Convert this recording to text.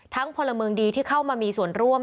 พลเมืองดีที่เข้ามามีส่วนร่วม